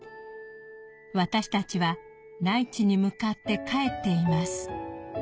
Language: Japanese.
私たちは内地に向かって帰っています。